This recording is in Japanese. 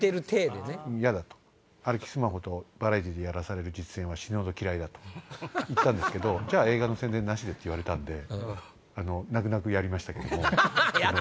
歩きスマホとバラエティーでやらされる実演は死ぬほど嫌いだと言ったんですけど映画の宣伝なしって言われたんで泣く泣くやりましたけども。